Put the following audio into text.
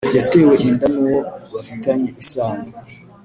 yatewe inda n’uwo bafitanye isano